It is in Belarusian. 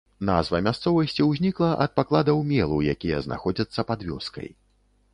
Назва мясцовасці ўзнікла ад пакладаў мелу, якія знаходзяцца пад вёскай.